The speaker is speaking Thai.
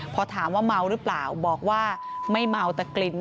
พอถามว่าเมาหรือเปล่าบอกว่าไม่เมาแต่กลิ่น